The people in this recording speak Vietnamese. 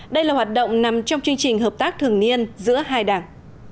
đây là hoạt động nằm trong chương trình hợp tác thường niên giữa hai đảng